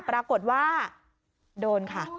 ปรากฏว่าโดนค่ะ